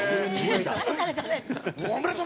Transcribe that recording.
おめでとう！